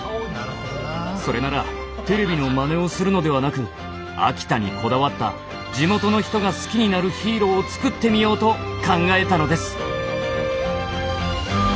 それならテレビのマネをするのではなく秋田にこだわった地元の人が好きになるヒーローを作ってみようと考えたのです。